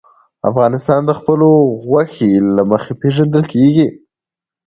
افغانستان د خپلو غوښې له مخې پېژندل کېږي.